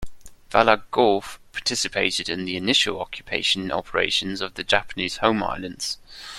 "Vella Gulf" participated in the initial occupation operations of the Japanese home islands.